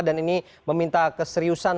dan ini meminta keseriusan